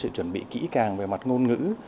sự chuẩn bị kỹ càng về mặt ngôn ngữ